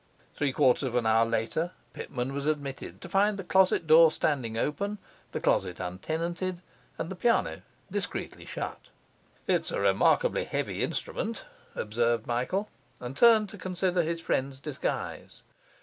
Three quarters of an hour later Pitman was admitted, to find the closet door standing open, the closet untenanted, and the piano discreetly shut. 'It's a remarkably heavy instrument,' observed Michael, and turned to consider his friend's disguise.